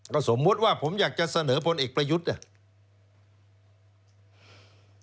แล้วสมมุติว่าผมอยากจะเสนอพลเอกประยุทธ์เนี่ย